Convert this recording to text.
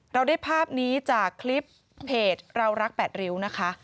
เราได้ภาพนี้จากคลิปเพจเรารัก๘ริ้วนะคะ